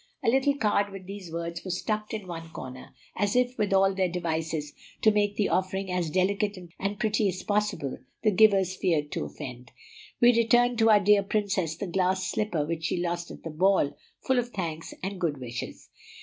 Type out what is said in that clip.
A little card with these words was tucked in one corner, as if, with all their devices to make the offering as delicate and pretty as possible, the givers feared to offend: "We return to our dear Princess the glass slipper which she lost at the ball, full of thanks and good wishes."